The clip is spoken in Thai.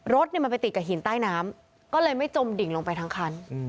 รถมันไปติดกับหินใต้น้ำก็เลยไม่จมดิ่งลงไปทั้งคัน